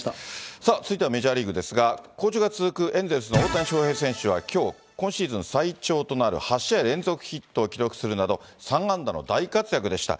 さあ、続いてはメジャーリーグですが、好調が続くエンゼルスの大谷翔平選手はきょう、最長となる８試合連続ヒットを記録するなど、３安打の大活躍でした。